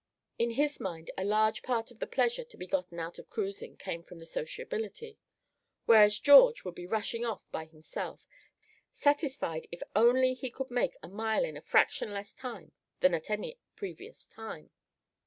In his mind a large part of the pleasure to be gotten out of cruising came from this sociability; whereas George would be rushing off by himself, satisfied if only he could make a mile in a fraction less time than at any previous time.